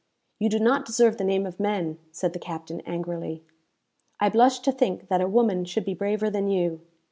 "You do not deserve the name of men," said the captain, angrily. "I blush to think that a woman should be braver than you!